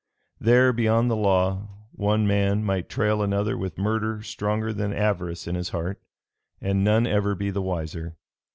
There, beyond the law, one man might trail another with murder stronger than avarice in his heart, and none ever be the wiser.